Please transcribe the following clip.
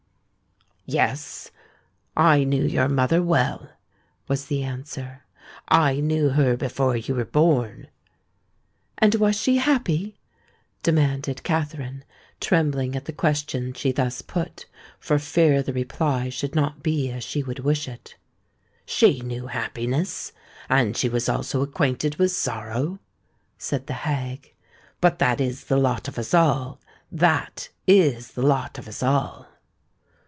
"Yes—I knew your mother well," was the answer: "I knew her before you were born." "And was she happy?" demanded Katherine, trembling at the question she thus put, for fear the reply should not be as she would wish it. "She knew happiness—and she was also acquainted with sorrow," said the hag: "but that is the lot of us all—that is the lot of us all!"